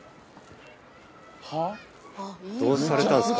どうされたんすか？